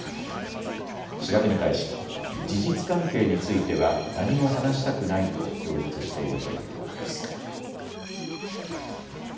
調べに対し事実関係については何も話したくないと供述しているということです。